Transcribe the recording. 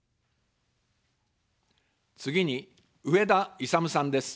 次に、上田いさむさんです。